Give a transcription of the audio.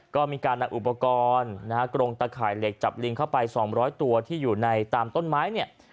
ก็มีการนำอุปกรณ์นะฮะกรงตะข่ายเหล็กจับลิงเข้าไป๒๐๐ตัวที่อยู่ในตามต้นไม้เนี่ย